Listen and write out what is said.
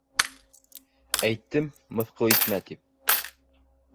— Әйттем, мыҫҡыл итмә, тип.